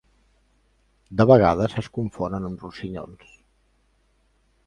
De vegades es confonen amb rossinyols.